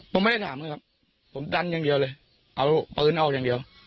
ผมไม่ได้ถามเลยครับผมดันอย่างเดียวเลยเอาปืนออกอย่างเดียว